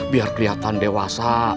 biar kelihatan dewasa